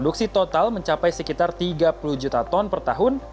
produksi total mencapai sekitar tiga puluh juta ton per tahun